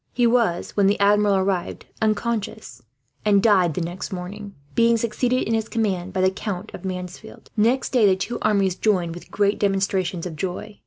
He was, when the Admiral arrived, unconscious; and died the next morning, being succeeded in his command by the Count of Mansfeldt. Next day the two armies joined, with great demonstrations of joy.